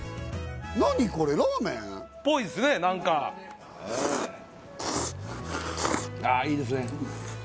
何これっぽいですね何かああいいですね